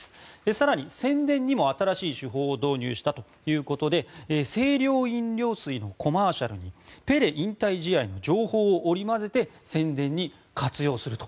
更に、宣伝にも新しい手法を導入したということで清涼飲料水のコマーシャルにペレ引退試合の情報を織り交ぜて宣伝に活用すると。